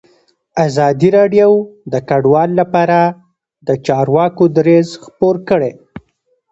ازادي راډیو د کډوال لپاره د چارواکو دریځ خپور کړی.